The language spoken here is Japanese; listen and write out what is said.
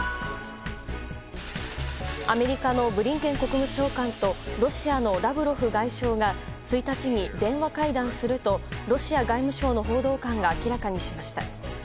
アメリカのブリンケン国務長官とロシアのラブロフ外相が１日に電話会談するとロシア外務省の報道官が明らかにしました。